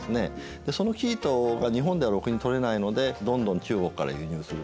でその生糸が日本ではろくにとれないのでどんどん中国から輸入すると。